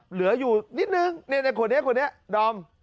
เหลืออยู่นิดหนึ่งในขวดนี้ดอม